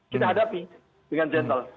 kita hadapi dengan gentle